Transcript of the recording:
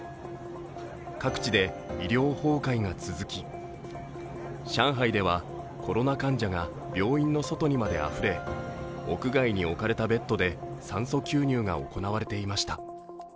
各地で医療崩壊が続き上海ではコロナ患者が病院の外にまであふれ、屋外に置かれたベッドで酸素吸入が行われていました。